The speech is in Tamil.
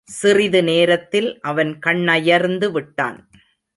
சிறிது நேரத்தில் அவன் கண்ணயர்ந்து விட்டான்.